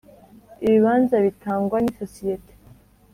ibibanza bitangwa n isosiyete